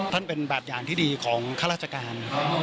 เป็นแบบอย่างที่ดีของข้าราชการ